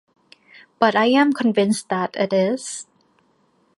But I am convinced that it is.